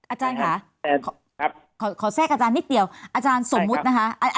อาจารย์ค่ะขอแทรกอาจารย์นิดเดียวอาจารย์สมมุตินะคะ